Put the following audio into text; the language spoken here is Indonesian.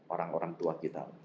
orang orang tua kita